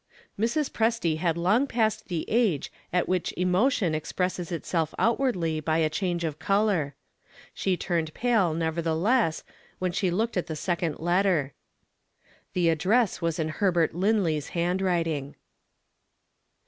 Mrs. Presty had long passed the age at which emotion expresses itself outwardly by a change of color. She turned pale, nevertheless, when she looked at the second letter. The address was in Herbert Linley's handwriting.